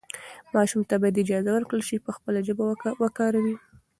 ماشوم ته باید اجازه ورکړل شي چې خپله ژبه وکاروي.